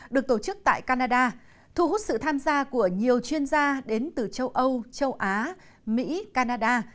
được tổ chức tại canada thu hút sự tham gia của nhiều chuyên gia đến từ châu âu châu á mỹ canada